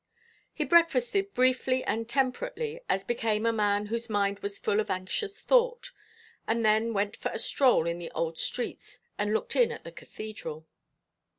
He breakfasted briefly and temperately, as became a man whose mind was full of anxious thought, and then went for a stroll in the old streets, and looked in at the Cathedral.